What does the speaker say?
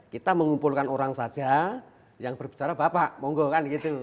kita mengumpulkan orang saja yang berbicara bapak monggo kan gitu